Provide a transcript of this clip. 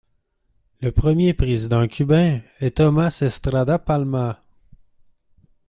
Le premier président cubain est Tomás Estrada Palma.